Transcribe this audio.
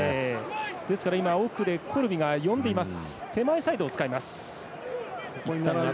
ですから奥でコルビが呼んでいます。